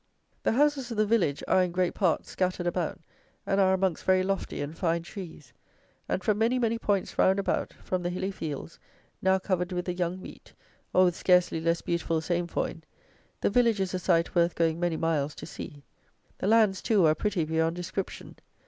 The houses of the village are, in great part, scattered about, and are amongst very lofty and fine trees; and, from many, many points round about, from the hilly fields, now covered with the young wheat, or with scarcely less beautiful sainfoin, the village is a sight worth going many miles to see. The lands, too, are pretty beyond description.